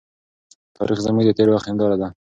تاريخ زموږ د تېر وخت هنداره ده.